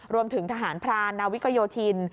รวมถึงทหารพรานนาวิกโยธิน